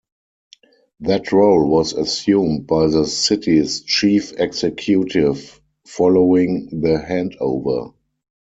That role was assumed by the city's Chief Executive following the handover.